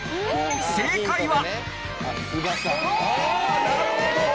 正解は